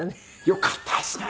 よかったですね